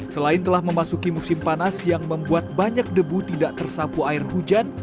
selain telah memasuki musim panas yang membuat banyak debu tidak tersapu air hujan